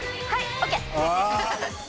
ＯＫ。